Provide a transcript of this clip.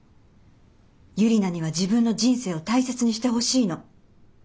ユリナには自分の人生を大切にしてほしいの。